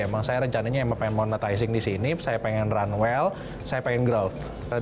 emang saya rencananya emang pengen monetizing di sini saya pengen runwall saya pengen growth